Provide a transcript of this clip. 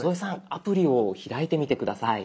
アプリを開いてみて下さい。